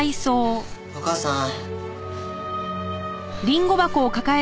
お母さん。